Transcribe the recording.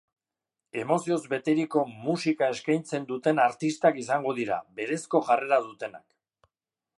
Emozioz beteriko musika eskeintzen duten artistak izango dira, berezko jarrera dutenak.